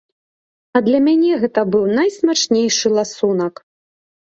А для мяне гэта быў найсмачнейшы ласунак.